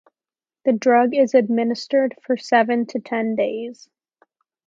The drug is administered for seven to ten days.